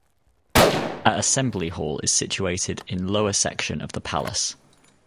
A assembly hall is situated in lower section of the palace.